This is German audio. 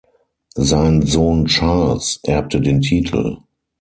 Sein Sohn Charles erbte den Titel.